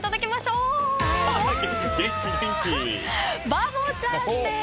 バボちゃんです。